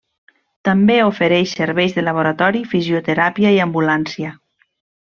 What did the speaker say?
També ofereix serveis de laboratori, fisioteràpia i ambulància.